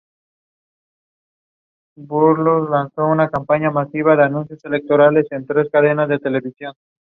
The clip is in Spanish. Diversas personalidades han solicitado un mayor reconocimiento de su labor por Navarra.